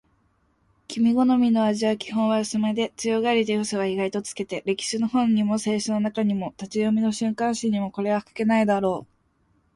それが何もしてこないことがわかると、隊員達は銃をおろした